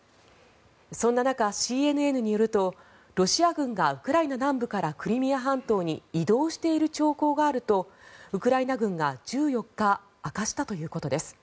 そんな中、ＣＮＮによるとロシア軍がウクライナ南部からクリミア半島に移動している兆候があるとウクライナ軍が１４日明かしたということです。